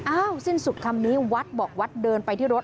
สิ้นสุดคำนี้วัดบอกวัดเดินไปที่รถ